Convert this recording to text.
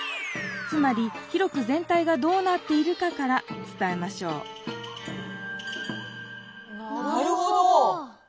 つまり広くぜん体がどうなっているかから伝えましょうなるほど。